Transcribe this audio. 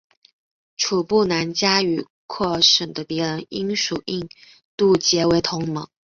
楚布南嘉与廓尔喀的敌人英属印度结为同盟。